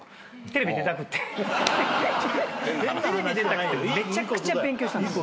テレビ出たくてめちゃくちゃ勉強したんです。